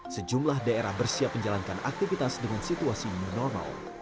sejumlah daerah bersiap menjalankan aktivitas dengan situasi new normal